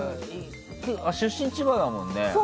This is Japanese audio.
出身、千葉だもんね。